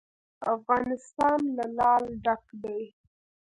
افغانستان له لعل ډک دی.